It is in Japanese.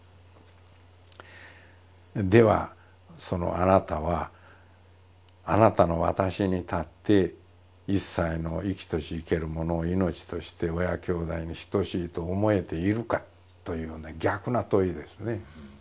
そのあなたはあなたの私に立って一切の生きとし生けるものを命として親兄弟に等しいと思えているか？というような逆な問いですね。